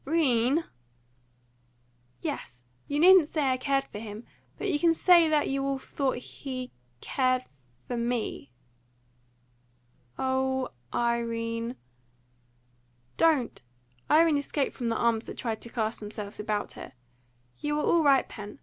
"'Rene!" "Yes! You needn't say I cared for him. But you can say that you all thought he cared for me." "O Irene " "Don't!" Irene escaped from the arms that tried to cast themselves about her. "You are all right, Pen.